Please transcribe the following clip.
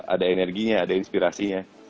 ada energinya ada inspirasinya